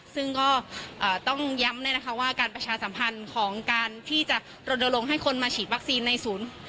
ซึ่งก็ต้องย้ำเลยนะคะว่าการประชาสัมพันธ์ของการที่จะรณรงค์ให้คนมาฉีดวัคซีนในศูนย์